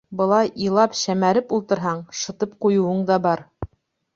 «Былай илап-шәмәреп ултырһаң, «шытып» ҡуйыуың да бар.